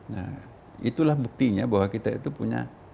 nah itulah buktinya bahwa kita itu punya